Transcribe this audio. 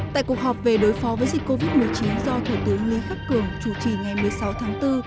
tại cuộc họp về đối phó với dịch covid một mươi chín do thủ tướng lý khắc cường chủ trì ngày một mươi sáu tháng bốn